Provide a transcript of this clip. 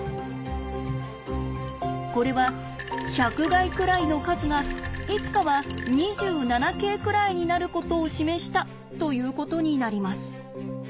これは１００垓くらいの数がいつかは２７京くらいになることを示したということになります。